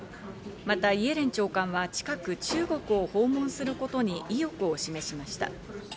またイエレン長官は近く中国を訪問することに意欲を示しました。